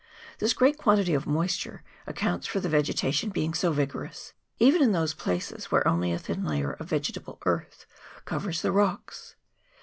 This great quantity of moisture accounts for the vegetation being so vigorous, even in those places where only a thin layer of vegetable earth covers the rocks.